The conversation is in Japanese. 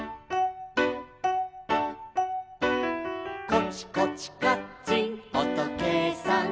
「コチコチカッチンおとけいさん」